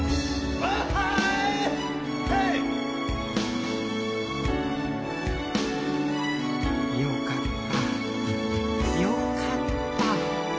よかったよかった！